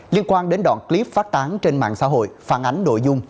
liên quan đến đoạn clip phát tán trên mạng xã hội phản ánh nội dung